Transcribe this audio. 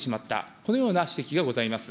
このような指摘がございます。